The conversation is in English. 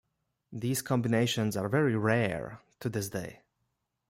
These combinations are very rare to this day.